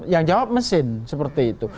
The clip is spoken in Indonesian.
yang jawab mesin seperti itu